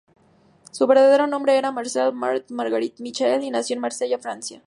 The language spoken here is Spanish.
Su verdadero nombre era Marcelle Marthe Marguerite Michel, y nació en Marsella, Francia.